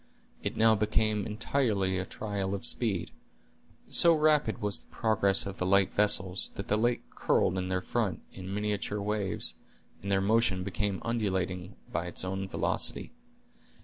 It now became entirely a trial of speed. So rapid was the progress of the light vessels, that the lake curled in their front, in miniature waves, and their motion became undulating by its own velocity.